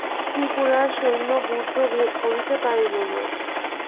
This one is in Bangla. ত্রিপুরার সৈন্য ব্যূহ ভেদ করিতে পারিল না।